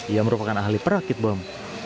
ia merupakan ahli perakit bom